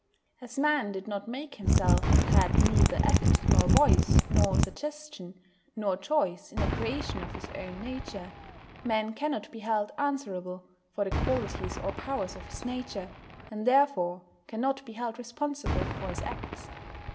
As Man did not make himself, and had neither act, nor voice, nor suggestion, nor choice in the creation of his own nature, Man cannot be held answerable for the qualities or powers of his nature, and therefore cannot be held responsible for his acts.